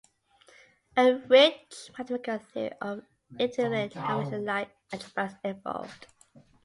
A rich mathematical theory of infinite dimensional Lie algebras evolved.